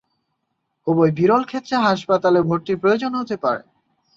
খুবই বিরল ক্ষেত্রে হাসপাতালে ভর্তির প্রয়োজন হতে পারে।